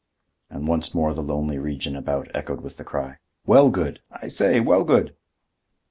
And once more the lonely region about echoed with the cry: "Wellgood! I say, Wellgood!"